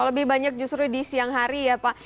lebih banyak justru di siang hari ya pak